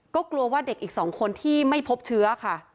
ก็กลัวว่าเด็กอีก๒คนที่ไม่พบเชื้อค่ะ